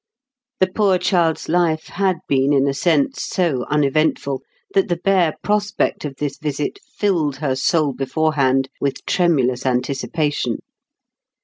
The poor child's life had been in a sense so uneventful that the bare prospect of this visit filled her soul beforehand with tremulous anticipation.